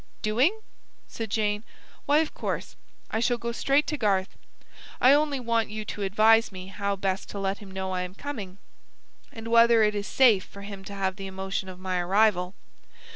"Doing?" said Jane. "Why, of course, I shall go straight to Garth. I only want you to advise me how best to let him know I am coming, and whether it is safe for him to have the emotion of my arrival.